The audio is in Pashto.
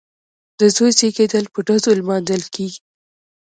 د زوی زیږیدل په ډزو لمانځل کیږي.